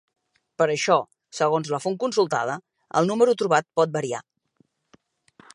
Per això, segons la font consultada, el número trobat pot variar.